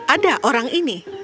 ada orang ini